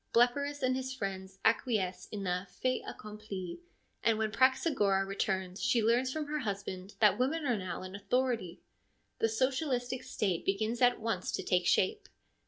Blepyrus and his friends acquiesce in the fait accompli, and when Praxagora returns she learns from her husband that women are now in authority. The socialistic State begins at once to take shape.